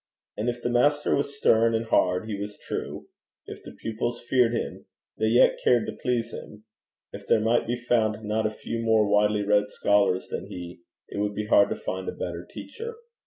And if the master was stern and hard, he was true; if the pupils feared him, they yet cared to please him; if there might be found not a few more widely read scholars than he, it would be hard to find a better teacher.